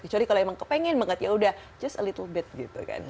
kecuali kalau emang kepengen banget ya udah just a little bit gitu kan